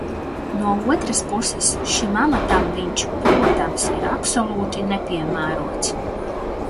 No otras puses, šim amatam viņš, protams, ir absolūti nepiemērots.